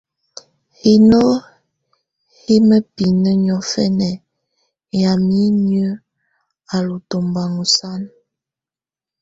Hino hɛ̀ mǝpinǝ́ niɔ̀fɛna yamɛ̀á inyǝ́ á lù tɔmbaŋa sana.